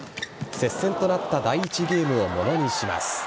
接戦となった第１ゲームをものにします。